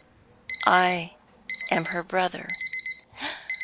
"I am her brother."